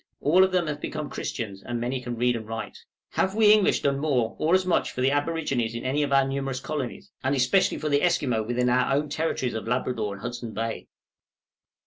All of them have become Christians, and many can read and write. Have we English done more, or as much, for the aborigines in any of our numerous colonies, and especially for the Esquimaux within our own territories of Labrador and Hudson's Bay?